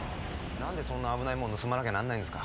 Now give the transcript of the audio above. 何でそんな危ないもの盗まなきゃならないんですか！？